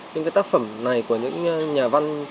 những cái tác phẩm này của những nhà văn